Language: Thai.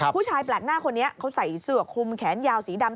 ผู้ชายแปลกหน้าคนนี้เขาใส่เสื้อคุมแขนยาวสีดำ